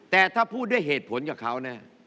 แต่ถ้าพูดด้วยเหตุผลกับเขานะ